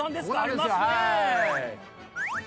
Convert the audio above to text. ありますね。